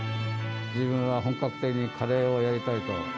自分は本格的にカレーをやりたいと。